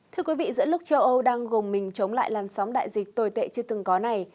thưa quý vị giữa lúc châu âu đang gồng mình chống lại làn sóng đại dịch tồi tệ chưa từng có này